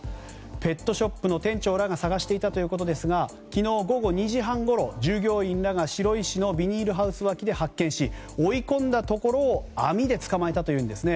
ペットショップの店長らが探していたということですが昨日午後２時半ごろ従業員らが白井市のビニールハウス脇で発見し追い込んだところを網で捕まえたといいます。